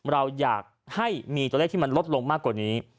เราอยากให้มีตัวเลขที่มันลดลงมากกว่านี้